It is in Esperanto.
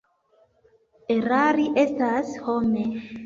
Erari estas home.